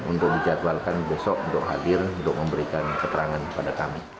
untuk dijadwalkan besok untuk hadir untuk memberikan keterangan kepada kami